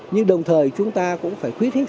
nhưng đồng thời chúng ta cũng phải khuyến khích